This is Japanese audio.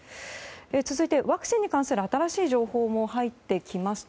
続いて、ワクチンに関する新しい情報も入ってきました。